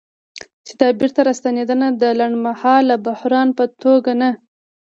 چې دا بیرته راستنېدنه د لنډمهاله بحران په توګه نه